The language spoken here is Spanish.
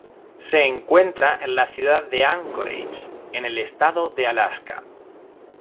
Se encuentra en la Ciudad de Anchorage en la estado de Alaska.